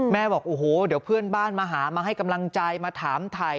บอกโอ้โหเดี๋ยวเพื่อนบ้านมาหามาให้กำลังใจมาถามถ่าย